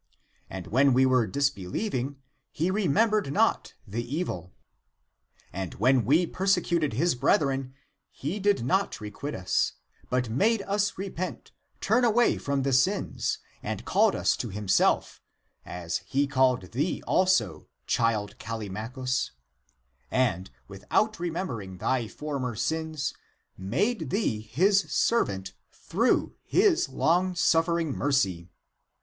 And when we were disbelieving, he remembered not the evil. And when we persecuted his brethren, he did not requite us, but made us repent, turn away from the sins, and called us to himself, as he called thee also, child Callimachus, and, without remembering thy former sins, made thee his servant through his long suffering mercy.